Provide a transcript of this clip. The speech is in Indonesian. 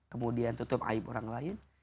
kemudian tutup aib orang lain